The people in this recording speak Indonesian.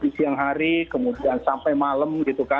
di siang hari kemudian sampai malam